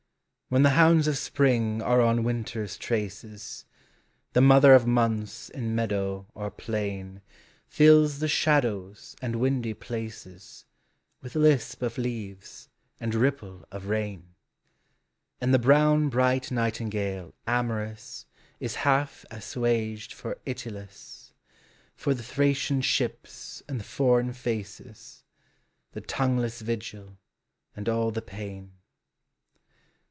When the hounds of spring are on winter's traces, The mother of months in meadow or plain Fills the shadows and windy places With lisp of leaves and ripple of rain; And the brown bright nightingale amorous Is half assuaged for Itylus, For the Thracian ships and the foreign faces ; The tongueless vigil, and all the pain.